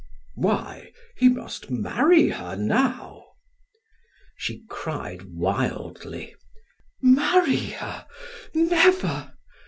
"Why, he must marry her now!" She cried wildly: "Marry her, never!